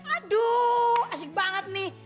aduh asik banget nih